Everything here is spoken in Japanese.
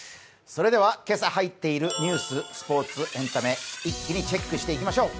それでは今朝入っているニュース、スポーツ、エンタメ、一気にチェックしていきましょう。